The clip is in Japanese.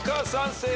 正解。